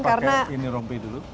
pakai ini rompi dulu